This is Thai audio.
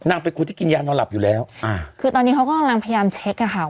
เป็นคนที่กินยานอนหลับอยู่แล้วอ่าคือตอนนี้เขาก็กำลังพยายามเช็คอ่ะค่ะ